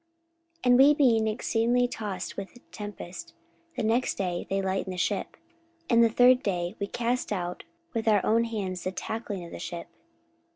44:027:018 And we being exceedingly tossed with a tempest, the next day they lightened the ship; 44:027:019 And the third day we cast out with our own hands the tackling of the ship.